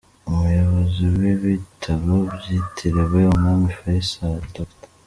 Umuyobozi w’ibitaro byitiriwe umwami Faisal, Dr.